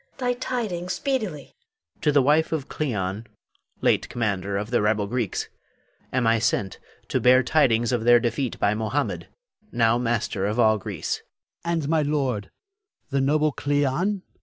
Thy tidings speedily! Hafiz. To the wife of Cleon, late commander of the rebel Greeks, am I sent to bear tidings of their defeat by Mohammed, now master of all Greece. Adrastus. And my lord, the noble Cleon?